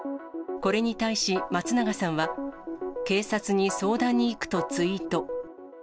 これに対し、松永さんは警察に相談に行くとツイート。